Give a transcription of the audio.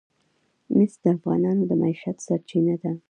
مس د افغانانو د معیشت سرچینه ده.